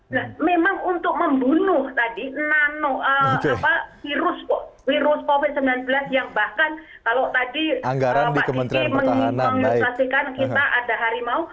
nah memang untuk membunuh tadi virus covid sembilan belas yang bahkan kalau tadi pak diki mengilustrasikan kita ada harimau